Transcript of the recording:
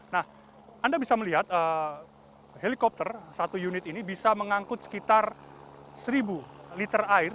nah anda bisa melihat helikopter satu unit ini bisa mengangkut sekitar seribu liter air